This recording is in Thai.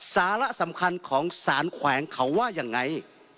สาระสำคัญของสารแขวงเขาว่ายังไง